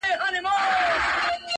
• ښکاري وویل زه تا حلالومه -